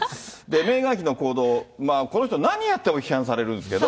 メーガン妃の行動、この人何やっても批判されるんですけど。